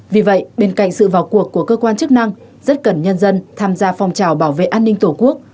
vì vậy bên cạnh sự vào cuộc của cơ quan chức năng rất cần nhân dân tham gia phong trào bảo vệ an ninh tổ quốc